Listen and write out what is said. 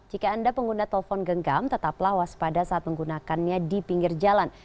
jika anda pengguna telepon genggam tetaplah waspada saat menggunakannya di pinggir jalan